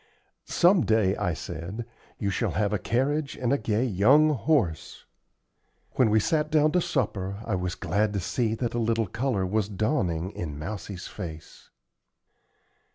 "Some day," I said, "you shall have a carriage and a gay young horse." When we sat down to supper, I was glad to see that a little color was dawning in Mousie's face.